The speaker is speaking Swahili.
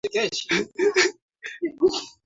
kuwa tukio hilo limezua hofu katika eneo lote